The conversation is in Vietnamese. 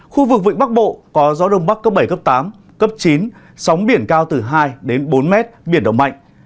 khu vực vịnh bắc bộ có gió đông bắc cấp bảy cấp tám cấp chín sóng biển cao từ hai bốn m biển động mạnh